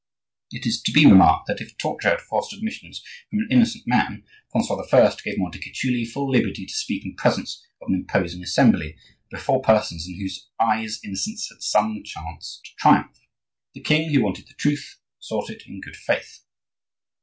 It is to be remarked that if torture had forced admissions from an innocent man, Francois I. gave Montecuculi full liberty to speak in presence of an imposing assembly, and before persons in whose eyes innocence had some chance to triumph. The king, who wanted the truth, sought it in good faith.